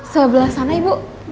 sebelah sana ibu